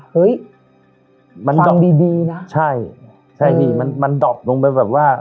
เฮ้ยมันดูดีดีนะใช่ใช่ดิมันมันดอบลงไปแบบว่า